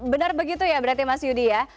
benar begitu ya berarti mas yudi ya